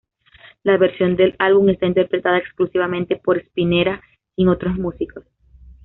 La versión del álbum está interpretada exclusivamente por Spinetta, sin otros músicos.